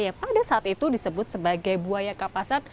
yang pada saat itu disebut sebagai buaya kapasan